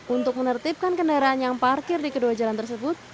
untuk menertibkan kendaraan yang parkir di kedua jalan tersebut